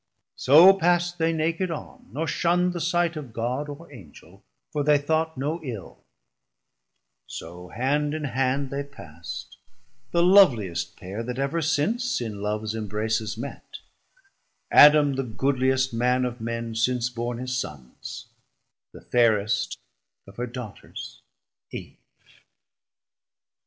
So passd they naked on, nor shund the sight Of God or Angel, for they thought no ill: 320 So hand in hand they passd, the lovliest pair That ever since in loves imbraces met, Adam the goodliest man of men since borne His Sons, the fairest of her Daughters Eve.